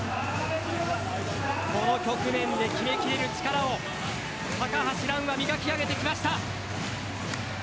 この局面で決めきれる力を高橋藍が磨き上げてきました。